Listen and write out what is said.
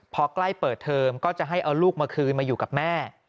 พอใกล้เปิดเทอมก็จะให้เอาลูกมาคืนมาอยู่กับแม่